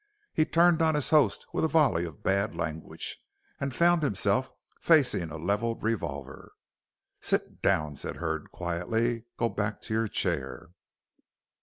He turned on his host with a volley of bad language, and found himself facing a levelled revolver. "Sit down," said Hurd, quietly; "go back to your chair."